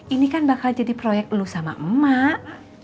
ini kan bakal jadi proyek lu sama emak